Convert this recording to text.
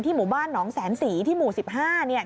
ที่หมู่บ้านหนองแสนศรีที่หมู่สิบห้า